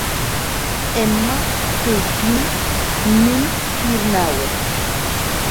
Emma, totun, non tornaue.